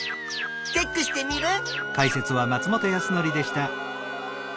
チェックしテミルン！